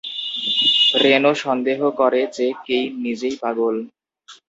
Reno সন্দেহ করে যে কেইন নিজেই পাগল।